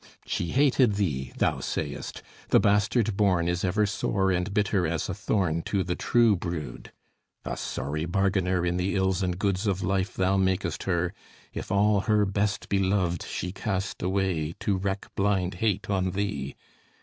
"She hated thee," thou sayest; "the bastard born Is ever sore and bitter as a thorn To the true brood." A sorry bargainer In the ills and goods of life thou makest her, If all her best beloved she cast away To wreck blind hate on thee!